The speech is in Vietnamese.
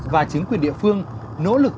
và chính quyền địa phương nỗ lực